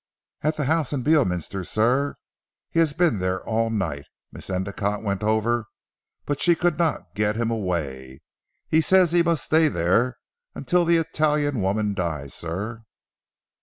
"At the house in Beorminster sir. He has been there all night. Miss Endicotte went over, but she could not get him away. He says he must stay there until the Italian woman dies sir."